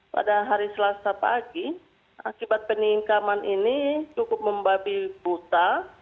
pada hari selasa pagi akibat peningkaman ini cukup membabi buta